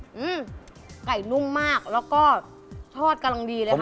อืมไก่นุ่มมากแล้วก็ทอดกำลังดีเลยค่ะ